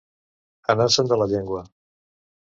Anar-se'n de la llengua.